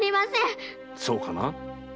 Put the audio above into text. そうかな？